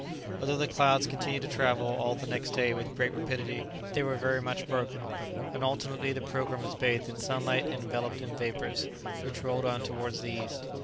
Although the clouds continued to travel all the next day with great rapidity they were very much broken, and alternately the "Pilgrim" was bathed in sunlight and enveloped in vapours, which rolled on towards the east.